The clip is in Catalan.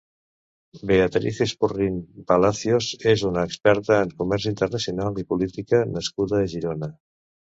Beatriz Esporrín Palacios és una experta en comerç internacional i política nascuda a Girona.